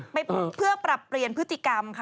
ไปเพื่อปรับเปลี่ยนพฤติกรรมค่ะ